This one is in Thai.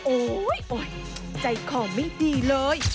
โอ๊ยใจขอไม่ดีเลย